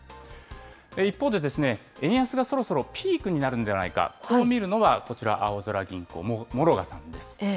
一方で、円安がそろそろピークになるんではないか、こう見るのはこちら、あおぞら銀行、諸我さんです。